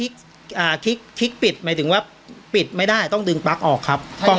สร้างปิดออกก็ไปเป็นช่อง๑ไหนของ๒